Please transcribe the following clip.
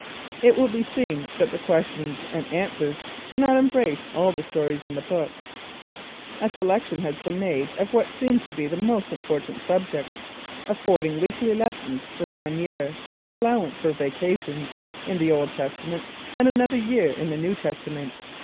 It will be seen that the questions and answers do not embrace all the stories in the book. A selection has been made of what seem to be the most important subjects, affording weekly lessons for one year, with allowance for vacations, in the Old Testament, and another year in the New Testament.